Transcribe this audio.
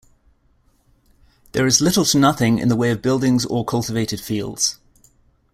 There is little to nothing in the way of buildings or cultivated fields.